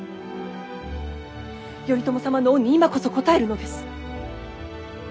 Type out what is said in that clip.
頼朝様の恩に今こそ応えるのです。